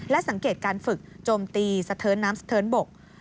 และสังเกตการฝึกจมตีสเติร์นน้ำสเติร์นบก